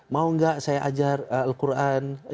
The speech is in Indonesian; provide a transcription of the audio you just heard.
mau nggak saya ajar al quran